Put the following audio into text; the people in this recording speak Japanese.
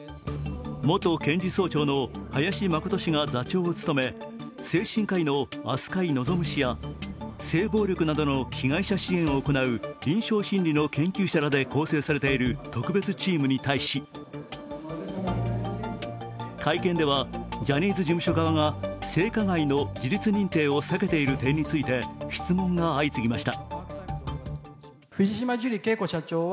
元検事総長の林眞琴が座長を務め精神科医の飛鳥井望氏や性暴力などの被害者支援を行う臨床心理の研究者らで構成されている特別チームに対し、会見ではジャニーズ事務所側が性加害の事実認定を避けている点について質問が相次ぎました。